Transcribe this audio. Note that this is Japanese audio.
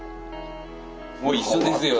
もう一緒ですよ